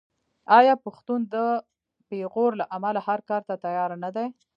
آیا پښتون د پېغور له امله هر کار ته تیار نه دی؟